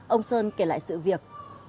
ông sơn kể lại sự việc